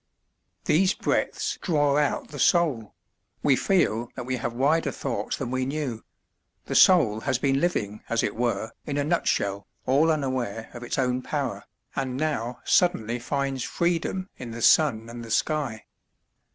These breadths draw out the soul; we feel that we have wider thoughts than we knew; the soul has been living, as it were, in a nutshell, all unaware of its own power, and now suddenly finds freedom in the sun and the sky.